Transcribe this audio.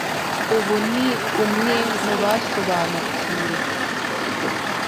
ubu ni umwe mu basobanukiwe,